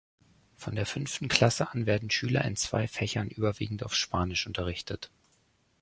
Von der fünften Klassen an werden Schüler in zwei Fächern überwiegend auf Spanisch unterrichtet.